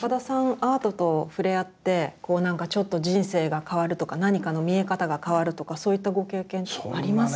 アートと触れ合ってなんかちょっと人生が変わるとか何かの見え方が変わるとかそういったご経験ってあります？